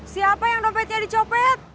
siapa yang dompetnya dicopet